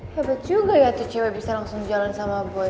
hebat juga ya tuh cewek bisa langsung jalan sama boy